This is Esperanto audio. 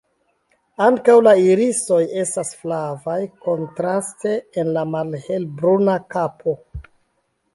Ankaŭ la irisoj estas flavaj, kontraste en la malhelbruna kapo.